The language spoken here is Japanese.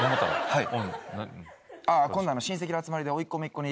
はい。